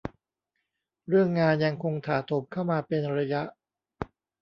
เรื่องงานยังคงถาโถมเข้ามาเป็นระยะ